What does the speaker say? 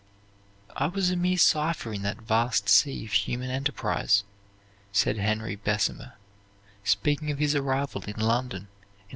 "I was a mere cipher in that vast sea of human enterprise," said Henry Bessemer, speaking of his arrival in London in 1831.